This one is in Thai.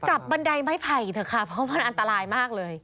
บันไดไม้ไผ่เถอะค่ะเพราะมันอันตรายมากเลย